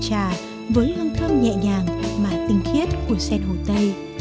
trà với hương thơm nhẹ nhàng mà tinh khiết của sen hồ tây